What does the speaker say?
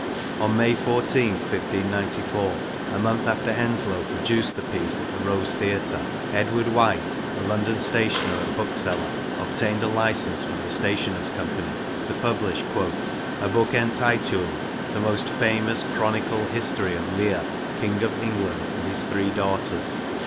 On May 14, 1594, a month after Henslowe produced the piece at the Rose Theatre, Edward White, a London stationer and bookseller, obtained a license from the Stationers' Company to publish a booke entituled The moste famous Chronicle historye of Leire, kinge of England \ and his Three Daughters.'